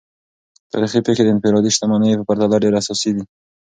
تاریخي پیښې د انفرادي شتمنیو په پرتله ډیر اساسي دي.